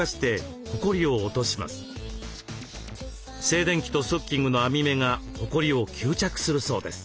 静電気とストッキングの網目がほこりを吸着するそうです。